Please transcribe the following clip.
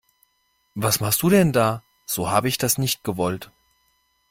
Was machst du denn da, so habe ich das nicht gewollt.